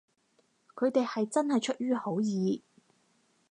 佢哋係真係出於好意